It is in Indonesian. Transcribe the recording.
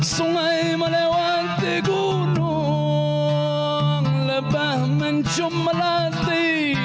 sungai melewati gunung lebah mencumelati